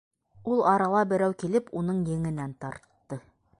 Ул арала берәү килеп уның еңенән тартты: